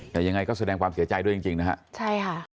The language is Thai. แต่ยังไงก็แสดงความเสียใจด้วยจริงจริงนะฮะใช่ค่ะ